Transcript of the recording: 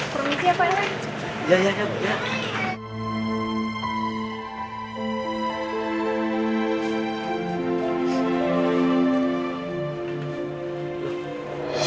permisi ya pak ewen